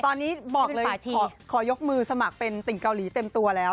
ตอนนี้บอกเลยขอยกมือสมัครเป็นติ่งเกาหลีเต็มตัวแล้ว